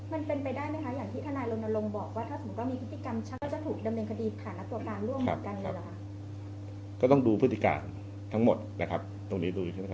มันเป็นไปได้ไหมคะอย่างที่ท่านายลงบอกว่าถ้าสมมติก็มีพฤติกรรมชัก